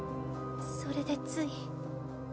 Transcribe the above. それでつい。